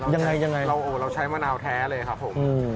ยังไงเราใช้มะนาวแท้เลยครับผม